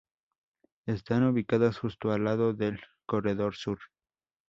Están ubicadas justo al lado del Corredor Sur.